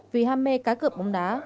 vì ham mê cá cựp bóng đá